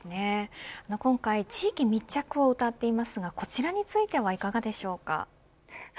今回、地域密着をうたっていますがこちらについてはいかがでしょうか。